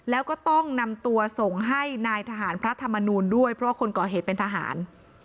แล้วก็ต้องนำตัวส่งให้นายทหารพระธรรมนูลด้วยเพราะว่าคนก่อเหตุเป็นทหาร